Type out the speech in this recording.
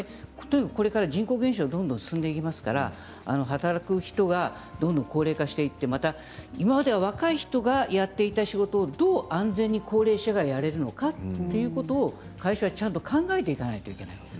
これから人口減少がどんどん進んでいきますから働く人が、どんどん高齢化していって、今までは若い人がやっていた仕事をどう安全に高齢者がやれるのかということを会社は、ちゃんと考えていかないといけない。